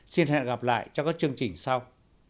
xin hẹn gặp lại trong các chương trình sau